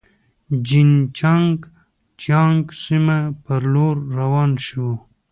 جین چنګ جیانګ سیمې پر لور روان شوو.